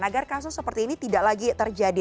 agar kasus seperti ini tidak lagi terjadi